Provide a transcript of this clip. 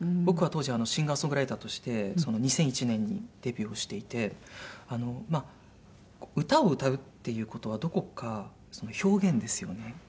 僕は当時シンガー・ソングライターとして２００１年にデビューをしていて歌を歌うっていう事はどこかその表現ですよね。